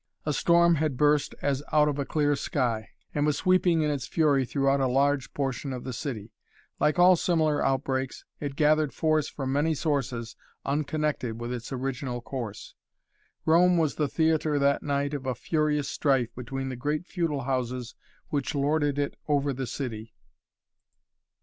A storm had burst as out of a clear sky, and was sweeping in its fury throughout a large portion of the city. Like all similar outbreaks, it gathered force from many sources unconnected with its original course. Rome was the theatre that night of a furious strife between the great feudal houses which lorded it over the city.